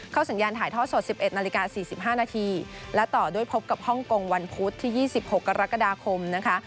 เข้าสัญญาณถ่ายท่อสด๑๑น๔๕นและต่อด้วยพบกับฮ่องกงวันพุธที่๒๖กรกฎาคมนะคะ